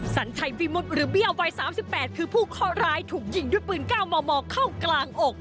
สัญชัยวิมุติหรือเบี้ยวัย๓๘คือผู้เคาะร้ายถูกยิงด้วยปืน๙มมเข้ากลางอก